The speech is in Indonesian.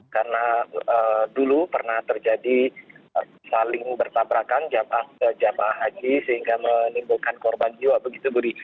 karena dulu pernah terjadi saling bertabrakan jamah ke jamah haji sehingga menimbulkan korban jiwa begitu budi